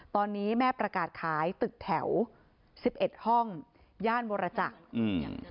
ตอนนี้แม่ประกาศขายตึกแถว๑๑ห้องย่านบรรจักษ์